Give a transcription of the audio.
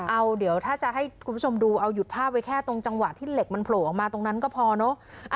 เอาเดี๋ยวถ้าจะให้คุณผู้ชมดูเอาหยุดภาพไว้แค่ตรงจังหวะที่เหล็กมันโผล่ออกมาตรงนั้นก็พอเนอะ